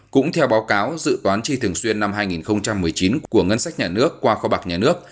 cũng theo báo cáo dự toán chi thường xuyên năm hai nghìn một mươi chín của ngân sách nhà nước qua kho bạc nhà nước